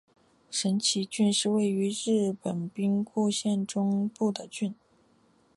神崎郡是位于日本兵库县中部的郡。